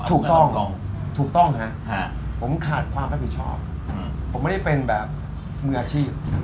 ถูกต้องถูกต้องฮะผมขาดความรับผิดชอบผมไม่ได้เป็นแบบมืออาชีพ